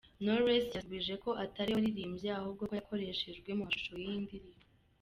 Knowless yasubije ko atariwe waririmbye ahubwo ko yakoreshejwe mu mashusho y’iyi ndirimbo.